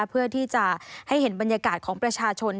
เพื่อที่จะให้เห็นบรรยากาศของประชาชน